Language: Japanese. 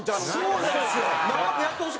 そうなんですよ。